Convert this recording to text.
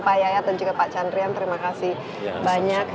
pak yayat dan juga pak chandrian terima kasih banyak